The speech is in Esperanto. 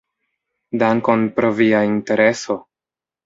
Dankon pro via intereso!